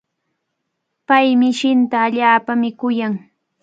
Pay mishinta allaapami kuyan.